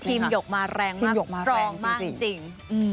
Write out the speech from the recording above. หยกมาแรงมากรองมากจริง